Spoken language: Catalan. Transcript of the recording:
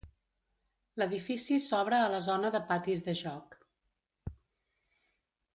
L'edifici s'obre a la zona de patis de joc.